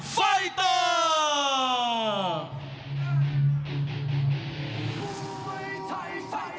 ไฟเตอร์